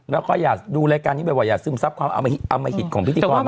แล้วก็อยากดูรายการนี้อยากซึมซับความอมหิตของพิธีกรมาคดไป